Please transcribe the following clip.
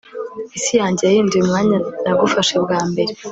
isi yanjye yahinduye umwanya nagufashe bwa mbere